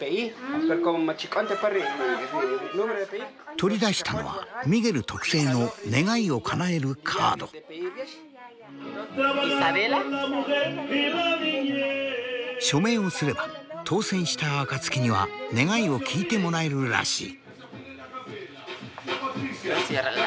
取り出したのはミゲル特製の署名をすれば当選した暁には願いを聞いてもらえるらしい。